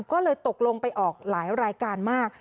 ก็เลยตกลงไปออกหลายรายการมาก